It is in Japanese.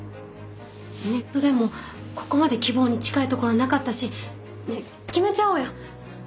ネットでもここまで希望に近いところなかったしねっ決めちゃおうよ。